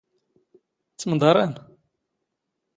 ⵜⵎⴹⴰⵕⴰⵎ?